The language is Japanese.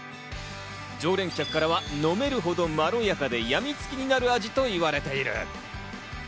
常連客からは飲めるほどまろやかで、やみつきになる味と言われている。